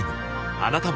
あなたも